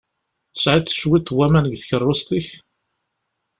Tesɛiḍ cwiṭ n waman deg tkeṛṛust-ik?